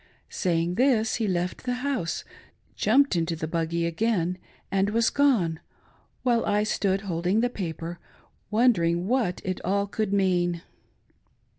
Saying this, he left the house, jumped into the buggy again, and was gone, while I stood holding the paper, wonder^ ing what it all could mean.